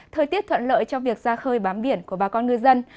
thời tiết thuận lợi cho việc ra khơi bám biển của bà con ngư dân